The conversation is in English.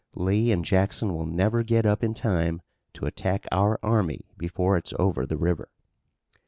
Lee and Jackson will never get up in time to attack our army before it's over the river."